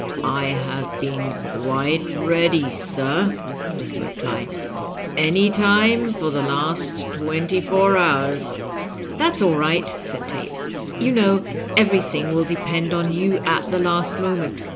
" I have been quite ready, sir," was the reply, " any time for the last twenty four hours." " That's all right," said Tate ; "you know everything will depend on you at the last moment.